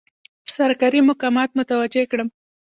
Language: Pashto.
سرکاري مقامات متوجه کړم.